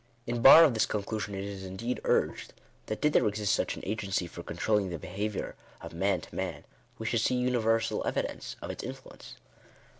In bar of this conclusion it is indeed urged, that did there exist such an agency for controlling the behaviour of man to man, we should see universal evidence of its influence.